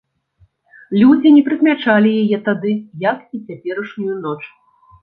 Людзі не прыкмячалі яе тады, як і цяперашнюю ноч.